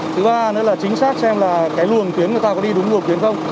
thứ ba nữa là chính xác xem là cái luồng tuyến người ta có đi đúng luồng tuyến không